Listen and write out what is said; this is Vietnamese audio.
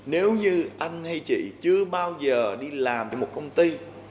nếu như anh hay chị chưa bao giờ đi làm trong một công ty